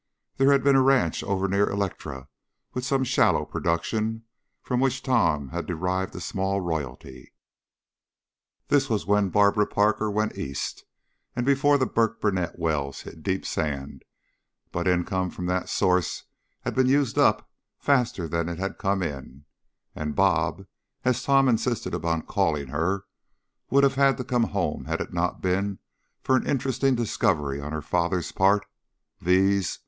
There had been a ranch over near Electra with some "shallow production," from which Tom had derived a small royalty this was when Barbara Parker went East and before the Burk burnett wells hit deep sand but income from that source had been used up faster than it had come in, and "Bob," as Tom insisted upon calling her, would have had to come home had it not been for an interesting discovery on her father's part _viz.